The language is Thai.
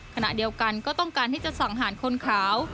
ขณะเดียวกันก็ต้องการที่จะสั่งหารคนขาว